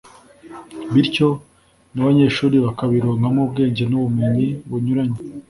bityo n’abanyeshuri bakabironkamo ubwenge n’ubumenyi bunyuranye